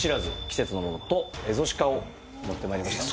季節のものとエゾシカを持ってまいりました